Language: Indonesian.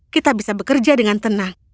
kita bisa bekerja dengan tenang